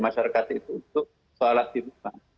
masyarakat itu untuk sholat di rumah